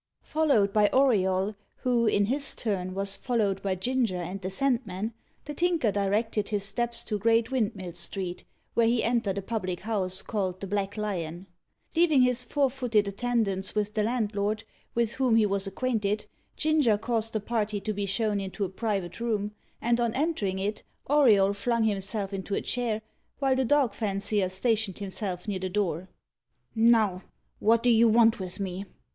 Followed by Auriol, who, in his turn, was followed by Ginger and the Sandman, the Tinker directed his steps to Great Windmill Street, where he entered a public house, called the Black Lion. Leaving his four footed attendants with the landlord, with whom he was acquainted, Ginger caused the party to be shown into a private room, and, on entering it, Auriol flung himself into a chair, while the dog fancier stationed himself near the door. "Now, what do you want with me?"